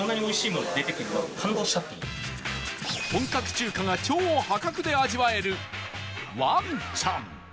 本格中華が超破格で味わえるわんちゃん